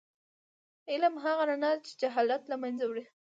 علم هغه رڼا ده چې جهالت له منځه وړي.